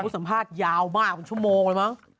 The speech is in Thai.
สัมภาษณ์ยาวมากเป็นชั่วโมงเลยมั้ง